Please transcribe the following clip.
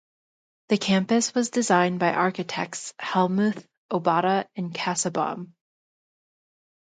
The campus was designed by architects Hellmuth, Obata and Kassabaum.